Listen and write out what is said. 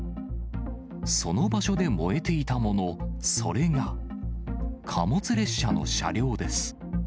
その場所で燃えていたもの、それが、貨物列車の車両です。